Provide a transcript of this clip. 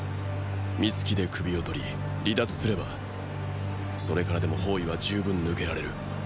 三突きで首をとり離脱すればそれからでも包囲は十分抜けられる。